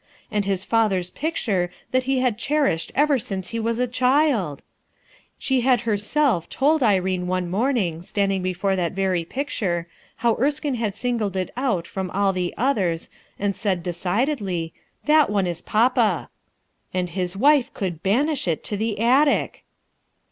And his father's icture that he had cherished ever since he was child I She had herself told Irene one morn ing standing before that very picture, how Erskine had singled it out from all the others and said decidedly: "That one is papa," And bis wife could banish it to the attic